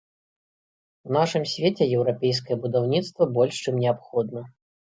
У нашым свеце еўрапейскае будаўніцтва больш чым неабходна.